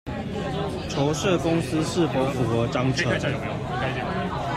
籌設公司是否符合章程